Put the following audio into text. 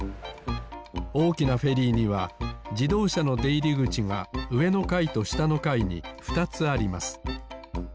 おおきなフェリーにはじどうしゃのでいりぐちがうえのかいとしたのかいにふたつあります。